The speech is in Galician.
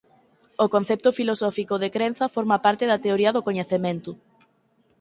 O concepto filosófico de crenza forma parte da teoría do coñecemento.